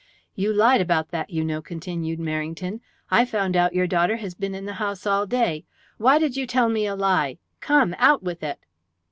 "You lied about that, you know," continued Merrington. "I've found out your daughter has been in the house all day. Why did you tell me a lie? Come, out with it!"